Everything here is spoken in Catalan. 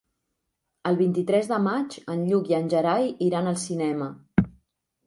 El vint-i-tres de maig en Lluc i en Gerai iran al cinema.